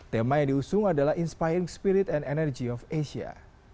tema yang diusung adalah inspiring spirit and energy of asia